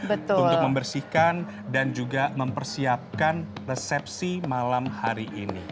untuk membersihkan dan juga mempersiapkan resepsi malam hari ini